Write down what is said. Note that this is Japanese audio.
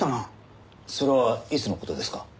それはいつの事ですか？